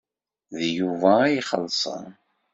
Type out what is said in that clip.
D Yuba ay ixellṣen.